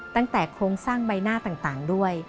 ตั้งแต่โครงสร้างใบหน้าต่างด้วย